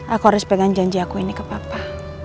aku harus pegang janji aku ini ke papa